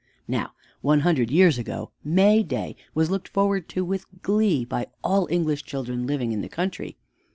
Now one hundred years ago, Mayday was looked forward to with glee by all English children living in the country.